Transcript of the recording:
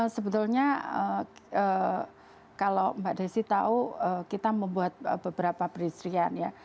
sebetulnya kalau mbak desi tahu kita membuat beberapa peristrian ya